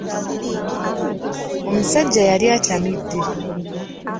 Omusajja yali atamidde